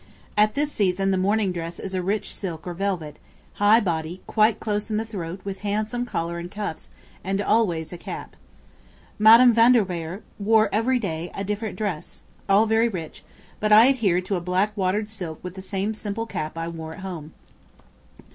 At this season the morning dress is a rich silk or velvet, high body quite close in the throat with handsome collar and cuffs, and always a cap. Madam Van de Weyer wore every day a different dress, all very rich, but I adhered to a black watered silk with the same simple cap I wore at home.